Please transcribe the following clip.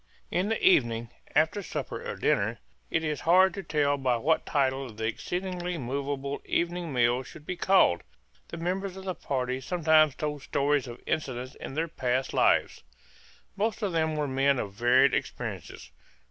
In the evenings, after supper or dinner it is hard to tell by what title the exceedingly movable evening meal should be called the members of the party sometimes told stories of incidents in their past lives. Most of them were men of varied experiences.